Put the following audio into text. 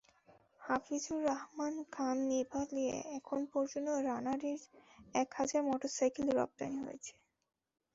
হাফিজুর রহমান খান নেপালে এখন পর্যন্ত রানারের এক হাজার মোটরসাইকেল রপ্তানি হয়েছে।